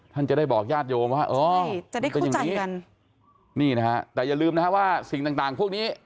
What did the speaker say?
ท่านจะได้บอกญาติโยมว่าอย่างนี้นี่นะฮะแต่อย่าลืมนะฮะว่าสิ่งต่างพวกนี้